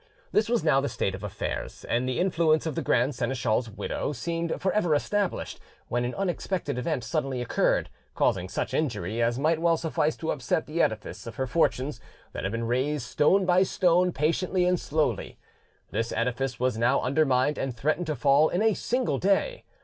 This was now the state of affairs, and the influence of the grand seneschal's widow seemed for ever established, when an unexpected event suddenly occurred, causing such injury as might well suffice to upset the edifice of her fortunes that had been raised stone by stone patiently and slowly: this edifice was now undermined and threatened to fall in a single day.